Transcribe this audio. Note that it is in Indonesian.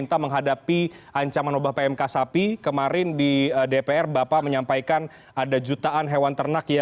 ada di indonesia pak menteri